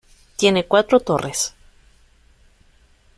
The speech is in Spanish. Tiene cuatro torres.